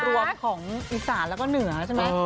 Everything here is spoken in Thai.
รวมของอีสานแล้วก็เหนือใช่ไหม